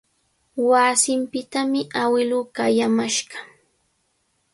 Wasinpitami awiluu qayamashqa.